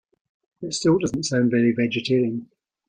It still doesn’t sound very vegetarian.